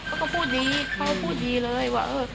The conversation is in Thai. เขาก็พูดดีเลยว่า